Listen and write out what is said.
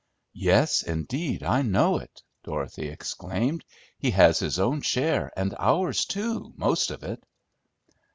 "Yes, indeed, I know it!" Dorothy exclaimed. "He has his own share, and ours too, most of it!"